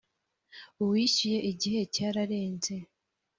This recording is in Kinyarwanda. uwishyuye igihe cyararenze